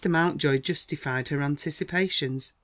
Mountjoy justified her anticipations.